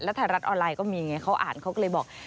นี่แหละรัฐรัฐออนไลน์ก็มีอย่างไรเขาอ่านเขาก็เลยบอก